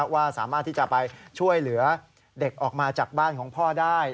ว่าสามารถที่จะไปช่วยเหลือเด็กออกมาจากบ้านของพ่อได้